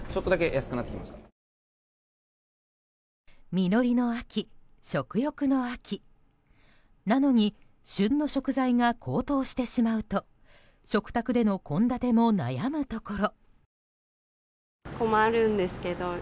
実りの秋、食欲の秋なのに旬の食材が高騰してしまうと食卓での献立も悩むところ。